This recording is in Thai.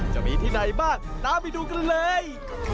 จะมีที่ไหนบ้างตามไปดูกันเลย